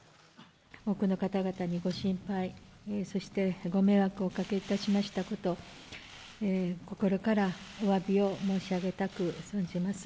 多くの方々にご心配、そして、ご迷惑をおかけいたしましたこと、心からおわびを申し上げたく存じます。